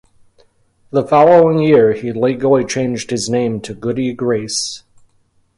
The following year he legally changed his name to Goody Grace.